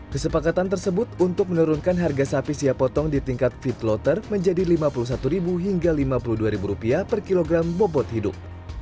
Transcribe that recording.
kesepakatan tersebut untuk menurunkan harga sapi siap potong di tingkat feed lotter menjadi rp lima puluh satu hingga rp lima puluh dua per kilogram bobot hidup